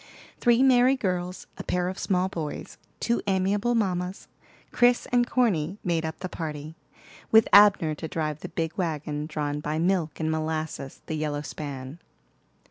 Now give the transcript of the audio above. Three merry girls, a pair of small boys, two amiable mammas, Chris and Corny, made up the party, with Abner to drive the big wagon drawn by Milk and Molasses, the yellow span.